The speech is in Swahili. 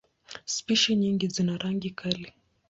Spishi nyingi zina rangi kali.